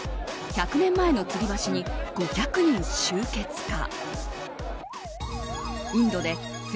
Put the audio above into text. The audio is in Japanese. １００年前のつり橋に５００人集結か。